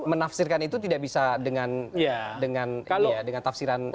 menafsirkan itu tidak bisa dengan tafsiran